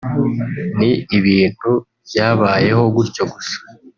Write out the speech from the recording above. ni ibintu byabayeho gutyo gusa